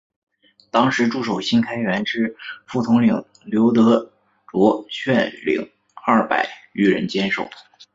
当时驻守新开园之副统领刘德杓率领二百余人坚守。